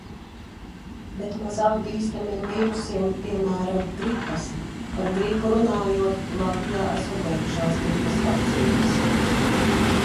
Bet mazāk bīstamiem vīrusiem, piemēram, gripas. Par gripu runājot, Latvijā esot beigušās gripas vakcīnas.